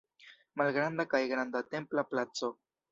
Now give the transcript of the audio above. Malgranda kaj Granda templa placo.